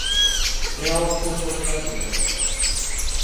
E ao fútbol galego?